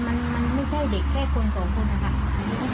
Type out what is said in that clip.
มันไม่ใช่เด็กแค่คนสองคนนะคะ